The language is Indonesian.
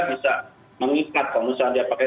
bisa mengikat kalau misalnya dia pakai